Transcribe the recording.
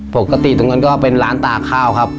ปกติตรงนั้นก็เป็นร้านตาข้าวครับ